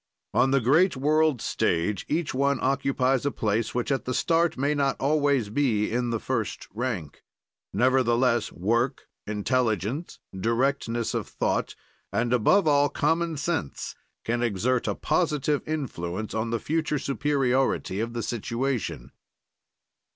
"On the great world stage, each one occupies a place which at the start may not always be in the first rank. "Nevertheless, work, intelligence, directness of thought and, above all, common sense, can exert a positive influence on the future superiority of the situation.